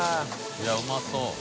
いやうまそう。